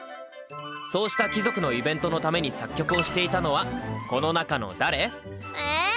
そうした貴族のイベントのために作曲をしていたのはこの中の誰？え？